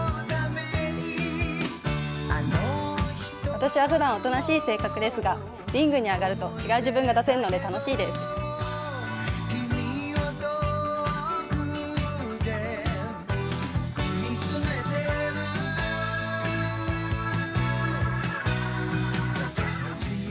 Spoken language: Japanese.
私はふだん、おとなしい性格ですがリングに上がると違う自分が出せるので楽しみです。